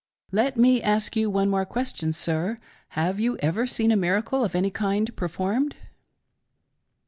M. : Let me ask you one more question sir — Have j/^« ever seen a miracle of any kind performed.'